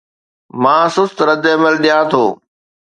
مان سست ردعمل ڏيان ٿو